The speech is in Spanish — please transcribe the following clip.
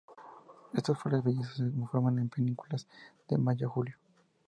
Flores blancas vellosas se forman en panículas de mayo a julio.